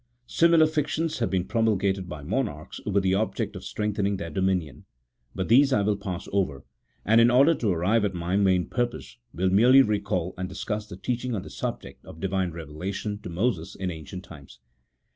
Similar fictions have been promulgated by monarchs, with the object of strengthen ing their dominion, but these I will pass over, and in order to arrive at my main purpose, will merely recall and discuss the teaching on the subject of Divine revelation to Moses in ancient times.